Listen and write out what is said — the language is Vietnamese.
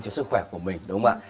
cho sức khỏe của mình đúng không ạ